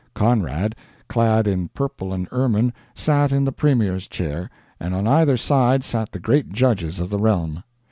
Conrad, clad in purple and ermine, sat in the Premier's chair, and on either side sat the great judges of the realm.